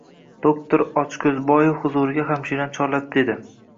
Doktor Ochko`zboev huzuriga hamshirani chorlab dedi